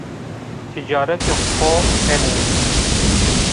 Tîcaretê xo kenê